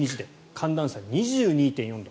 寒暖差２２．４度。